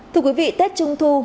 thưa quý vị tết trung thu